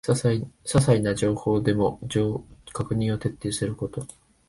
ささいな情報でも確認を徹底すること